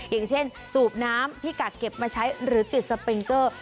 อย่างเช่นสูบน้ำที่กักเก็บมาใช้หรือติดสปริงเกอร์